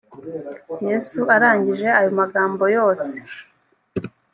yesu arangije ayo magambo yose .